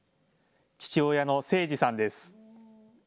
父親の清司さんです。